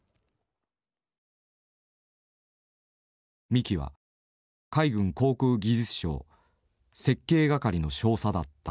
三木は海軍航空技術廠設計係の少佐だった。